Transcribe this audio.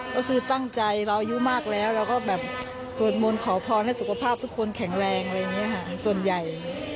ก็คือตั้งใจเราอายุมากแล้วเราก็แบบสวดมนต์ขอพรให้สุขภาพทุกคนแข็งแรงอะไรอย่างนี้ค่ะส่วนใหญ่